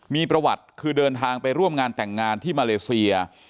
มีประวัติคือเดินทางไปร่วมงานแต่งงานที่มาเลเซีย